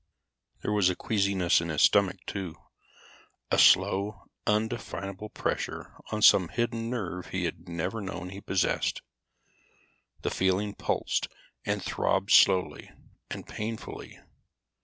There was a queasiness in his stomach, too, a slow undefinable pressure on some hidden nerve he had never known he possessed. The feeling pulsed and throbbed slowly and painfully.